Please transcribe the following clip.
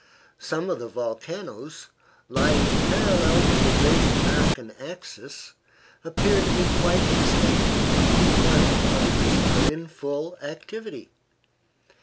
Some of the volcanoes lying parallel to the great American axis appear to be quite extinct, while others are in full activity.